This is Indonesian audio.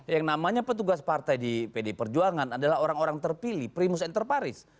yang namanya petugas partai di pd perjuangan adalah orang orang terpilih primus interparis